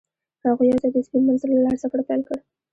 هغوی یوځای د سپین منظر له لارې سفر پیل کړ.